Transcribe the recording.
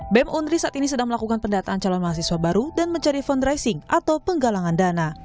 bem undri saat ini sedang melakukan pendataan calon mahasiswa baru dan mencari fundraising atau penggalangan dana